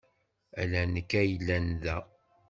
Ala nekk ay yellan da.